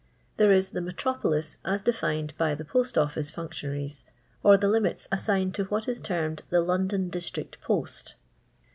There is the Metropolis as defined by the Pott Officc functionaries, or the limits assigned to what is termed the " London District Post."